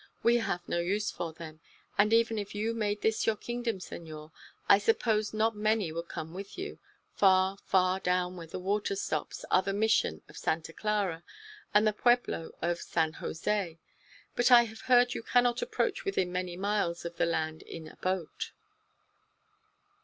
We have no use for them, and even if you made this your kingdom, senor, I suppose not many would come with you. Far, far down where the water stops are the Mission of Santa Clara and the pueblo of San Jose; but I have heard you cannot approach within many miles of the land in a boat."